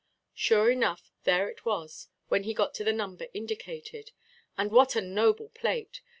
Sure enough there it was, when he got to the number indicated. And what a noble plate!